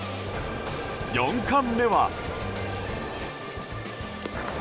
４冠目は。